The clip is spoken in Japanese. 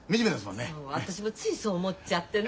そう私もついそう思っちゃってね。